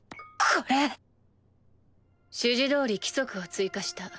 これ。指示どおり規則を追加した。